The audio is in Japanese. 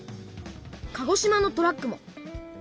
鹿児島のトラックも。